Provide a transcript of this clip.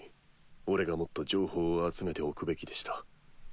俺がもっと情報を集めておくべきでした。